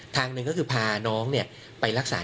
ทางหนึ่งก็คือพาน้องไปรักษา